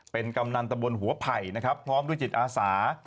เป็นกำนันตะบนหัวไผ่นะครับพร้อมด้วยจิตอาสา